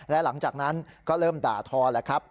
และหลังจากนั้นก็เริ่มด่าทอแล้วครับ